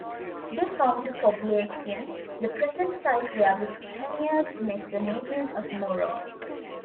They found Poblacion, the present site where the Spaniards met the natives of Moron.